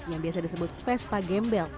yang biasa disebut vespa gembel